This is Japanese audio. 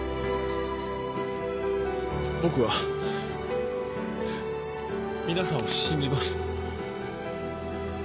僕は皆さんを信じます。